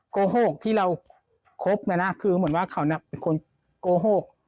โกหกที่เราคบนะนะคือเหมือนว่าเขาเป็นคนโกหก